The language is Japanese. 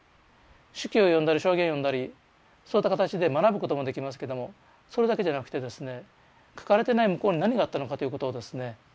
手記を読んだり証言を読んだりそういった形で学ぶこともできますけどもそれだけじゃなくてですね書かれてない向こうに何があったのかということをですね